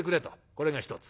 これが一つ。